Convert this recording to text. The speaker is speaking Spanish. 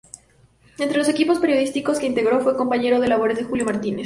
Entre los equipos periodísticos que integró fue compañero de labores de Julio Martínez.